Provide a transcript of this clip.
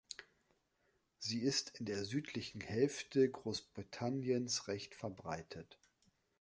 Sie ist in der südlichen Hälfte Großbritanniens recht verbreitet.